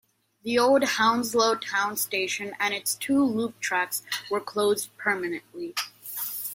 The old Hounslow Town station and its two loop tracks were closed permanently.